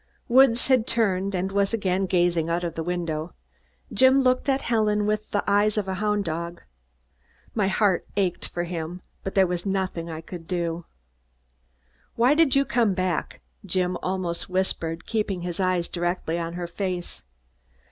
Woods had turned and was again gazing out of the window. Jim looked at Helen with the eyes of a hound dog. My heart ached for him, but there was nothing I could do. "Why did you come back?" Jim almost whispered, keeping his eyes directly on her face.